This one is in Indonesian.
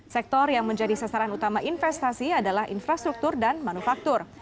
sektor yang menjadi sasaran utama investasi adalah infrastruktur dan manufaktur